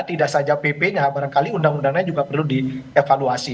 tidak saja pp nya barangkali undang undangnya juga perlu dievaluasi